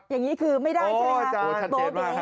อย่างนี้คือไม่ได้ใช่ไหมคะโอ้อาจารย์ฉันเกลียดมาก